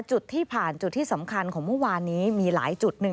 จุดที่ผ่านจุดที่สำคัญของเมื่อวานนี้มีหลายจุดหนึ่ง